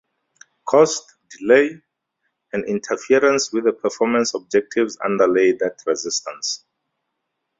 Cost, delay and interference with the performance objectives underlay that resistance.